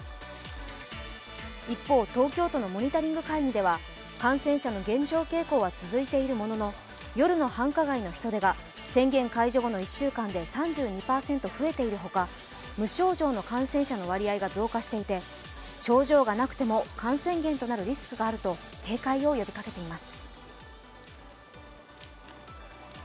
一方、東京都のモニタリング会議では感染者の減少傾向は続いているものの夜の繁華街の人出が宣言解除後の１週間で３２％増えているほか無症状の感染者の割合が増加していて症状がなくても感染源となるリスクがあると警戒を呼びかけています。